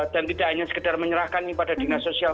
dan tidak hanya sekedar menyerahkan ini pada dinas sosial